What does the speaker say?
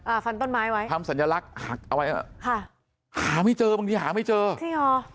ฟันต้นไม้ไว้ทำสัญลักษณ์หักเอาไว้อ่ะค่ะหาไม่เจอบางทีหาไม่เจอจริงเหรอ